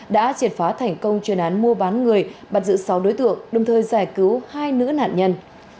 đã triệt phá thành công chuyên án mua bán người bắt giữ sáu đối tượng đồng thời giải cứu hai nữ nạn nhân